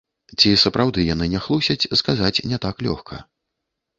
Ці сапраўды яны не хлусяць, сказаць не так лёгка.